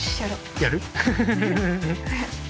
やる？